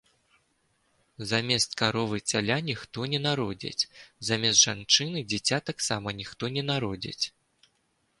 Замест каровы цяля ніхто не народзіць, замест жанчыны дзіця таксама ніхто не народзіць.